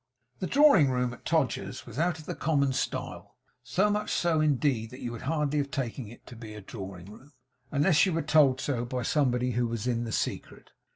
The drawing room at Todgers's was out of the common style; so much so indeed, that you would hardly have taken it to be a drawingroom, unless you were told so by somebody who was in the secret.